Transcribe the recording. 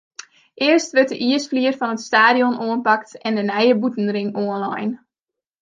Earst wurdt de iisflier fan it stadion oanpakt en de nije bûtenring oanlein.